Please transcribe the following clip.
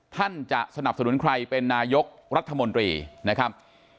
ท่านจะสนับสนุนใครเป็นนายกรัฐมนตรีนะครับ